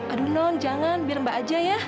aduh non jangan biar mbak aja ya